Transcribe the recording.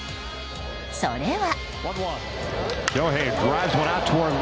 それは。